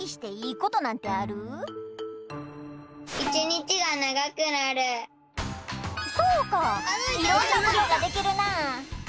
みんなそうかいろんなことができるな。